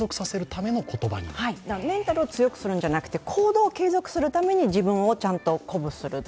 メンタルを強くするんじゃなくて、行動を継続するために自分をちゃんと鼓舞する。